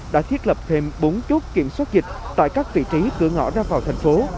đã thiết lập thêm bốn chốt kiểm soát dịch tại các vị trí cửa ngõ ra vào thành phố